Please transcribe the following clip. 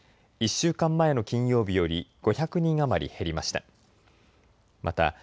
１週間前の金曜日より５００人余り減りました。